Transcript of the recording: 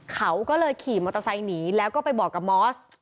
เขาก็เลยขี่มอเตอร์ไซค์หนีแล้วก็ไปบอกกับมอส